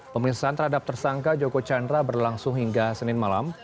pemeriksaan terhadap tersangka joko chandra berlangsung hingga senin malam